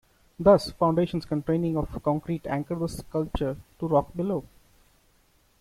Thus, foundations containing of concrete anchor the sculpture to rock below.